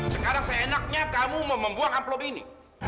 sekarang seenaknya kamu mau membuang amplop ini